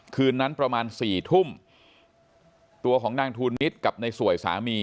คืนนั้นประมาณสี่ทุ่มตัวของนางทูลนิดกับในสวยสามี